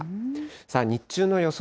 さあ、日中の予想